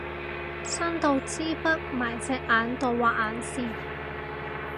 伸到支筆埋隻眼度畫眼線